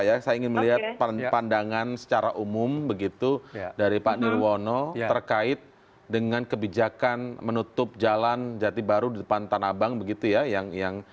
saya ingin melihat pandangan secara umum begitu dari pak nirwono terkait dengan kebijakan menutup jalan jati baru di depan tanah abang begitu ya